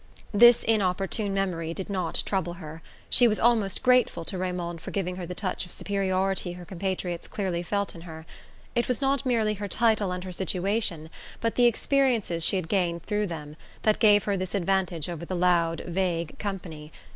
This inopportune memory did not trouble her: she was almost grateful to Raymond for giving her the touch of superiority her compatriots clearly felt in her. It was not merely her title and her "situation," but the experiences she had gained through them, that gave her this advantage over the loud vague company.